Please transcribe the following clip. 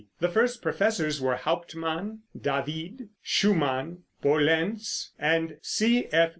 The first professors were Hauptmann, David, Schumann, Pohlenz and C.F.